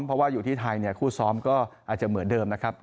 เพราะว่าอยู่ที่ไทยคู่ซ้อมก็อาจจะเหมือนเดิมนะครับ